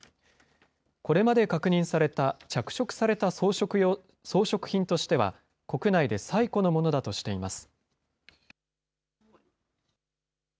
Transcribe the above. これまで確認された着色された装飾品としては、国内で最古のものだとしています。